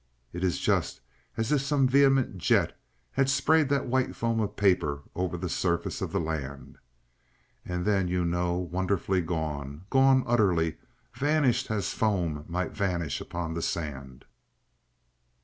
It is just as if some vehement jet had sprayed that white foam of papers over the surface of the land. .. And then you know, wonderfully gone—gone utterly, vanished as foam might vanish upon the sand.